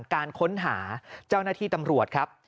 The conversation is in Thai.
การค้นหาเจ้าหน้าที่ตำรวจครับ